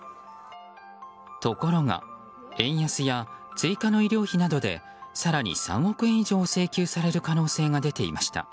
ところが、円安や追加の医療費などで更に３億円以上請求される可能性が出ていました。